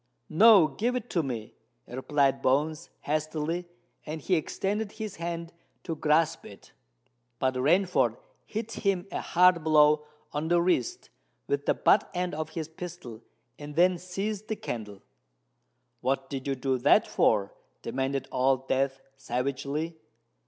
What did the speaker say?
"No—give it to me," replied Bones hastily; and he extended his hand to grasp it. But Rainford hit him a hard blow on the wrist with the butt end of his pistol, and then seized the candle. "What did you do that for?" demanded Old Death savagely.